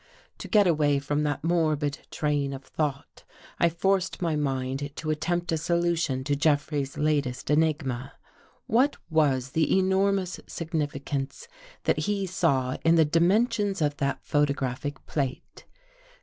I To get away from that morbid train of thought, f I forced my mind to attempt a solution of Jeffrey's f latest enigma. What was the enormous significance ! that he saw in the dimensions of that photographic plate?